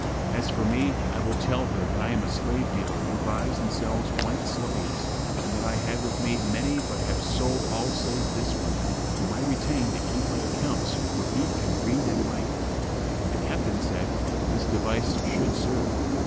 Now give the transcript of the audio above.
As for me I will tell her that I am a slave dealer[FN#393] who buys and sells white slaves, and that I had with me many but have sold all save this one, whom I retained to keep my accounts, for he can read and write." And the captain said "This device should serve."